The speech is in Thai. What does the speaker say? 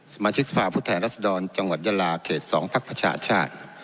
สมาชิกสภาพผู้แทนรัศดรจังหวัดยาลาเขต๒พักประชาชาติ